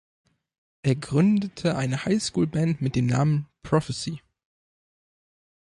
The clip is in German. Er gründete eine Highschool-Band mit dem Namen "Prophecy".